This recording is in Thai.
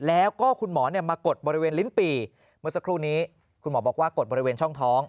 แล้วก็คุณหมอมากดบริเวณลิ้นปี่เมื่อสักครู่นี้คุณหมอบอกว่ากดบริเวณช่องท้อง